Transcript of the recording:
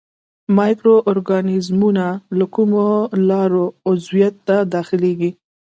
مایکرو ارګانیزمونه له کومو لارو عضویت ته داخليږي.